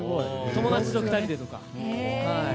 友達と２人でとか。